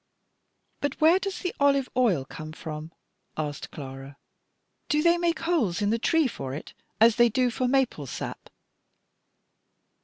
"And where does the olive oil come from?" asked Clara. "Do they make holes in the tree for it, as they do for maple sap?"